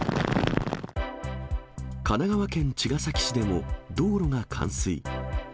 神奈川県茅ヶ崎市でも道路が冠水。